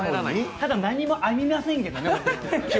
ただ何もありませんけどね。